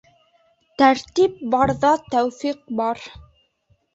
Тәртип барҙа тәүфиҡ бар.